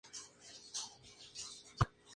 Vive entre Berlín y Basilea.